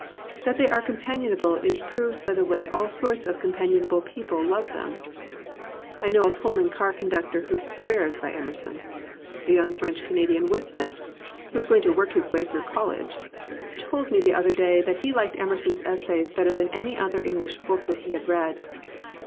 That they are companionable is proved by the way all sorts of companionable people love them. I know a Pullman car conductor who swears by Emerson. A young French Cana dian woodsman, (who is going to work his way 343 COMPANIONABLE BOOKS through college,) told me the other day that he liked Emerson's essays better than any other Eng lish book that he had read.